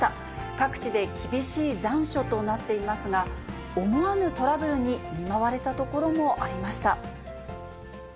各地で厳しい残暑となっていますが、思わぬトラブルに見舞われた所もありました。